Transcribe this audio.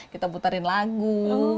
kita puterin lagu